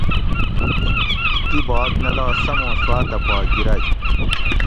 دی باگ نہ لا سمو سواۤتہ پا گرگ